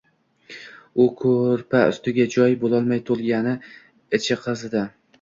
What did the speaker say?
U koʼrpa ustiga joy boʼlolmay toʼlgʼandi. Ichi qizidi.